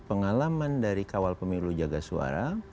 pengalaman dari kawal pemilu jaga suara